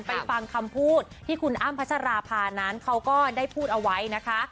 ฟังคำพูดที่คุณอ้ำพัชราภานั้นเขาก็ได้พูดเอาไว้นะคะ